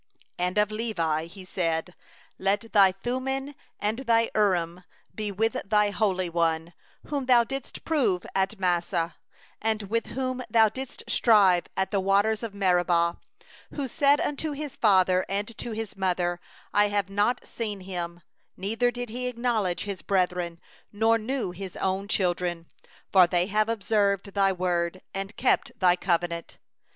8And of Levi he said: Thy Thummim and Thy Urim be with Thy holy one, Whom Thou didst prove at Massah, With whom Thou didst strive at the waters of Meribah; 9Who said of his father, and of his mother: 'I have not seen him'; Neither did he acknowledge his brethren, Nor knew he his own children; For they have observed Thy word, And keep Thy covenant.